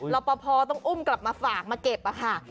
เราพอต้องอุ้มกลับมาฝากมาเก็บนะคะ